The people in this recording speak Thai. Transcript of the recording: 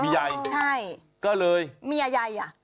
มีใยก็เลยมีอายัย